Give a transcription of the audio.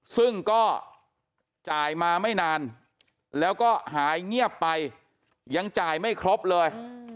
ซึ่งก็จ่ายมาไม่นานแล้วก็หายเงียบไปยังจ่ายไม่ครบเลย